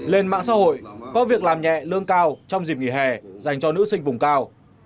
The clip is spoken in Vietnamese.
lên mạng xã hội có việc làm nhẹ lương cao trong dịp nghỉ hè dành cho nữ sinh vùng cao